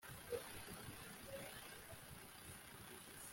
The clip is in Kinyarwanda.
kubera ko nta wundi wakiriye